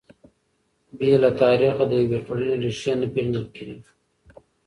بې له تاریخه د یوې ټولنې ريښې نه پېژندل کیږي.